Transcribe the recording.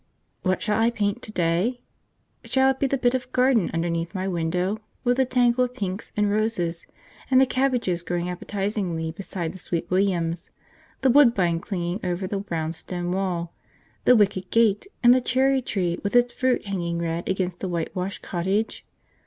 What shall I paint to day? Shall it be the bit of garden underneath my window, with the tangle of pinks and roses, and the cabbages growing appetisingly beside the sweet williams, the woodbine climbing over the brown stone wall, the wicket gate, and the cherry tree with its fruit hanging red against the whitewashed cottage?